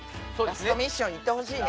ラストミッションに行ってほしいね。